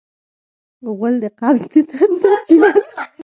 غول د قبض د درد سرچینه ده.